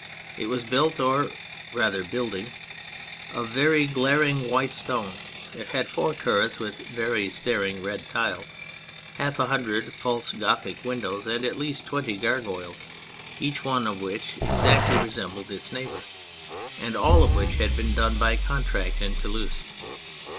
It was built or rather building of very glaring white stone ; it had four turrets with very staring red tiles, half a hundred false Gothic win dows, and at least twenty gargoyles, each one of which exactly resembled its neighbour, and all of which had been done by contract in Toulouse.